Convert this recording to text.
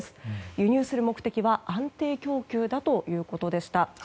輸入する目的は安定供給だということでした。